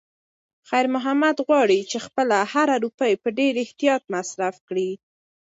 خیر محمد غواړي چې خپله هره روپۍ په ډېر احتیاط مصرف کړي.